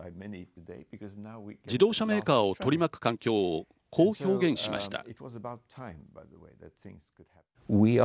自動車メーカーを取り巻く環境をこう表現しました。